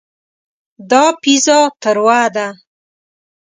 دا پیزا تروه ده.